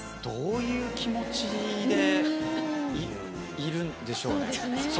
どういう気持ちでいるんでしょうね？